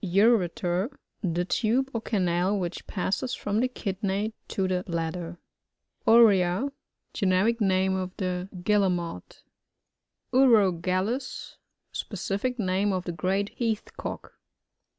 Ureter. — The tube or canal, which passes from the liidney to the blad der. Uria.— Generic name of the Guille* mots. UROGALLUV—Specific name of the great Heath Cock.